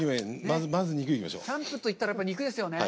キャンプといったらやっぱり肉ですよね。